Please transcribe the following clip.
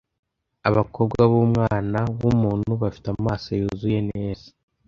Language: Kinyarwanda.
abakobwa b'umwana w'umuntu bafite amaso yuzuye neza